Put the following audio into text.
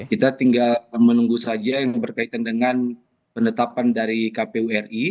kita tinggal menunggu saja yang berkaitan dengan penetapan dari kpu ri